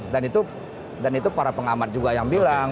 dan itu dan itu para pengamat juga yang bilang